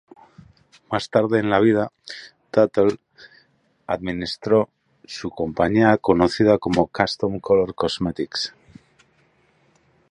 Más tarde en la vida, Tuttle administró su compañía conocida como Custom Color Cosmetics.